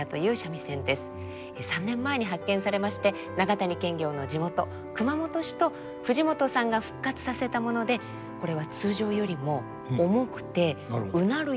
３年前に発見されまして長谷検校の地元熊本市と藤本さんが復活させたものでこれは通常よりも重くてうなるような音色ということなんですね。